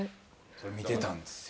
それ見てたんですよ。